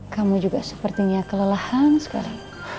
kamu juga sepertinya kelelahan sekarang